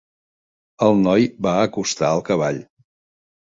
El noi va acostar el cavall.